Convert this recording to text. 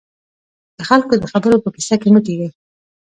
د خلکو د خبرو په کيسه کې مه کېږئ.